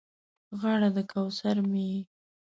غاړه د کوثر مې یې